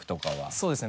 そうですね